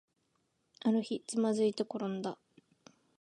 ある日、つまずいてころんだ